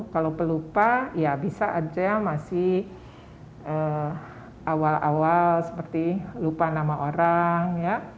kalau pelupa ya bisa aja masih awal awal seperti lupa nama orang